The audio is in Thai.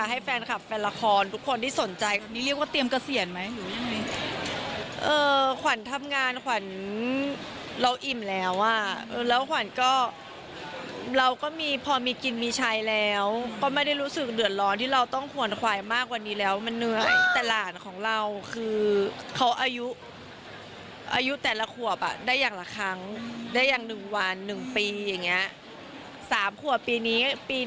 ให้แฟนคลับแฟนละครทุกคนที่สนใจตอนนี้เรียกว่าเตรียมเกษียณไหมหรือยังไงขวัญเราอิ่มแล้วอ่ะแล้วขวัญก็เราก็มีพอมีกินมีใช้แล้วก็ไม่ได้รู้สึกเดือดร้อนที่เราต้องหวนควายมากกว่านี้แล้วมันเหนื่อยแต่หลานของเราคือเขาอายุแต่ละขวบอ่ะได้อย่างละครั้งได้อย่างหนึ่งวันหนึ่งปีอย่างเงี้ยสามขวบปีนี้ปี